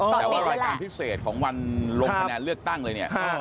แต่ว่ารายการพิเศษของวันลงคะแนนเลือกตั้งเลยเนี่ย